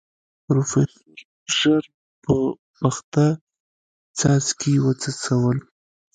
پروفيسر ژر په پخته څاڅکي وڅڅول.